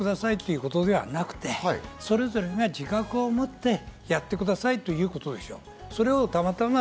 戻ってきてくださいということではなくて、それぞれが自覚を持ってやってくださいということですよ。